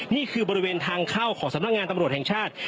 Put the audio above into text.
นี่คือบริเวณทางเข้าของสำนักงานตำรวจแห่งชาติ